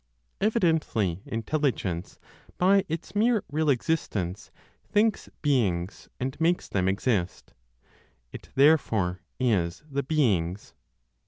Evidently Intelligence, by its mere real existence, thinks beings, and makes them exist; it therefore is the beings.